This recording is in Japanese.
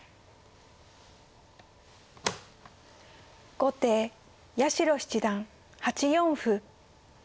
後手八代七段８四歩。